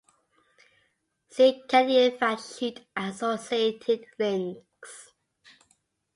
See Canadian fact sheet and associated links.